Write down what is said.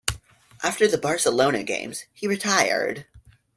After the Barcelona games he retired.